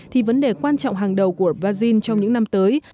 thì vấn đề quan trọng hàng đầu của brazil trong những năm tới